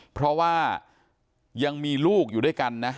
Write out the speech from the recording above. เพราะว่ายังมีลูกอยู่ด้วยกันนะ